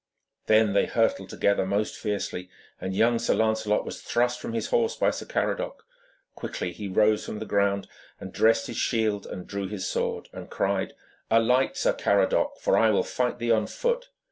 Then they hurtled together most fiercely, and young Sir Lancelot was thrust from his horse by Sir Caradoc. Quickly he rose from the ground, and dressed his shield and drew his sword, and cried, 'Alight, Sir Caradoc, for I will fight thee on foot.'